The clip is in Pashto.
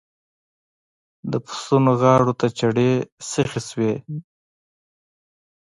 د پسونو غاړو ته چړې سيخې شوې.